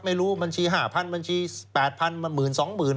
ไม่รู้บัญชี๕๐๐๐บัญชี๘๐๐๐บัญชี๑๐๐๐๐บัญชี๒๐๐๐๐บัญชี